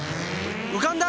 うかんだ！